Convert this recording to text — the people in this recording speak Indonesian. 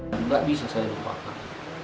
tidak bisa saya lupakan